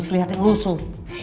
slihat yang rusuh